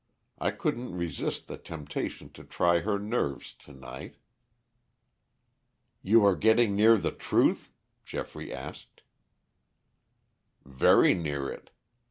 I couldn't resist the temptation to try her nerves to night." "You are getting near the truth?" Geoffrey asked. "Very near it.